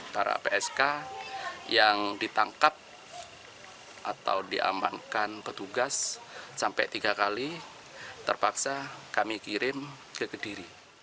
para psk yang ditangkap atau diamankan petugas sampai tiga kali terpaksa kami kirim ke kediri